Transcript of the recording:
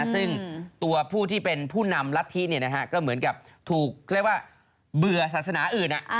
ซึ่งตัวผู้ที่เป็นผู้นำรัฐธิก็เหมือนกับถูกเรียกว่าเบื่อศาสนาอื่น